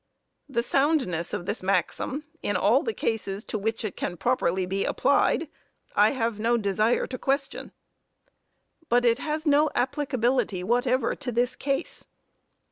The soundness of this maxim, in all the cases to which it can properly be applied, I have no desire to question; but it has no applicability whatever to this case.